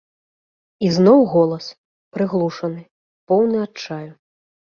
І зноў голас, прыглушаны, поўны адчаю.